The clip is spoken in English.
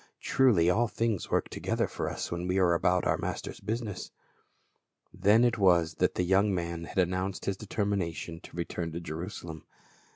Truly, all things work together for us when we are about our Master's business." Then it was that the )'oung man had announced his determination to return to Jerusalem.